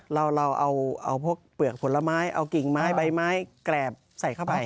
เราเอาพวกเปลือกผลไม้เอากิ่งไม้ใบไม้แกรบใส่เข้าไป